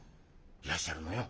いらっしゃるのよ。